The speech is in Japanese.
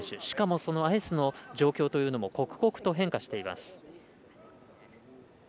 しかもアイスの状況というのも刻々と変化しています。